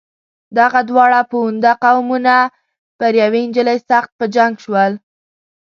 دغه دواړه پوونده قومونه پر یوې نجلۍ سخت په جنګ شول.